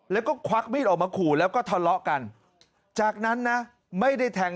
แล้วก็ควักมีดออกมาขู่แล้วก็ทะเลาะกันจากนั้นนะไม่ได้แทง